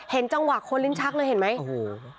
จังหวะคนลิ้นชักเลยเห็นไหมโอ้โห